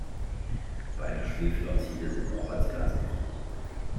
Beide Schwefeloxide sind auch als Gas giftig.